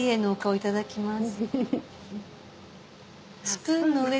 いただきます。